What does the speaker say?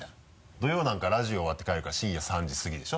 土曜なんかラジオ終わって帰るから深夜３時過ぎでしょ？